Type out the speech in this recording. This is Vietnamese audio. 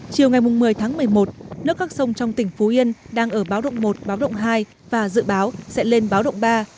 chiều ngày một mươi tháng một mươi một nước các sông trong tỉnh phú yên đang ở báo động một báo động hai và dự báo sẽ lên báo động ba